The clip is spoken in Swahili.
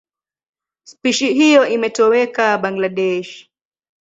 Spishi hiyo imetoweka Bangladesh.